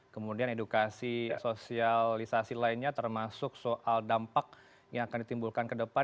kemudian edukasi sosialisasi lainnya termasuk soal dampak yang akan ditimbulkan ke depan